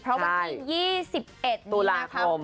เพราะวันที่๒๑นี้นะครับ